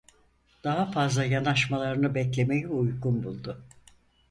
Daha fazla yanaşmalarını beklemeyi uygun buldu.